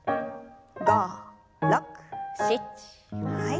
５６７はい。